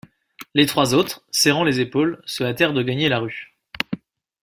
Les trois autres, serrant les épaules, se hâtèrent de gagner la rue.